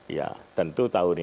ya tentu tahun ini